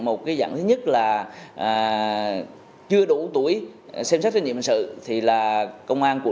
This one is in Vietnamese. một dạng thứ nhất là chưa đủ tuổi xem xét doanh nghiệp hành sự